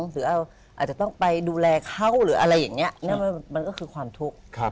หรืออาจจะต้องไปดูแลเขาหรืออะไรอย่างนี้มันก็คือความทุกข์